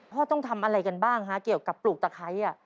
ต้องทำอะไรกันบ้างฮะเกี่ยวกับปลูกตะไคร้